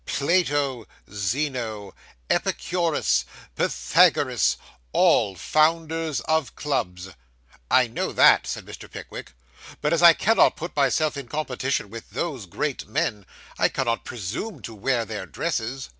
Plato, Zeno, Epicurus, Pythagoras all founders of clubs.' 'I know that,' said Mr. Pickwick; 'but as I cannot put myself in competition with those great men, I cannot presume to wear their dresses.